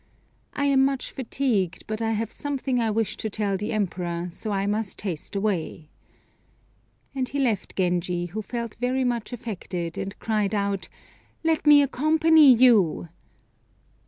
I am much fatigued; but I have something I wish to tell the Emperor, so I must haste away," and he left Genji, who felt very much affected, and cried out, "Let me accompany you!"